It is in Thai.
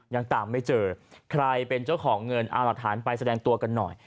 ยังตามไม่เจอใครเป็นเจ้าของเงินเอาหลักฐานไปแสดงตัวกันหน่อย